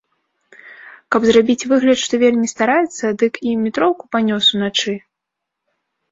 Каб зрабіць выгляд, што вельмі стараецца, дык і метроўку панёс уначы?